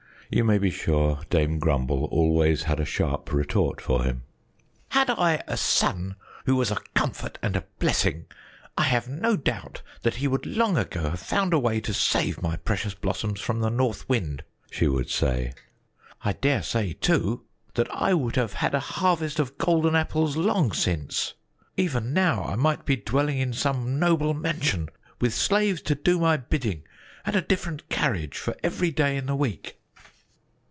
You may be sure Dame Grumble always had a sharp retort for him. "Had I a son who was a comfort and a blessing, I have no doubt that he would long ago have found a way to save my precious blossoms from the North Wind," she would say. "I daresay, too, that I would have had a harvest of golden apples long since. Even now I might be dwelling in some noble mansion with slaves to do my bidding and a different carriage for every day in the week!"